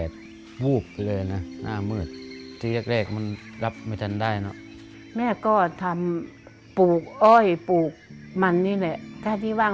ช่วยตาทุกอย่าง